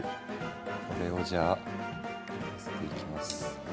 これをじゃあのせていきます。